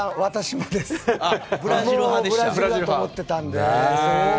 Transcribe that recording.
もうブラジルだと思ってたので。